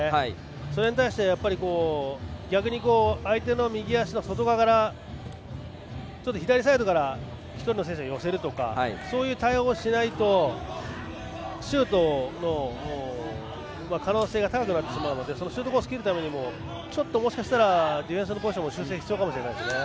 それに対して逆に相手の右足の外側から左サイドから１人の選手が寄せるとかそういう対応をしないとシュートの可能性が高くなってしまうのでシュートコースを切るためにも、もしかしたらディフェンスのポジションも修正が必要かもしれないです。